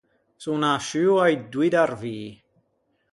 Son nasciuo a-i doî d’arvî.